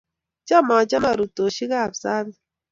Cham achame arutoshi Kapsabet.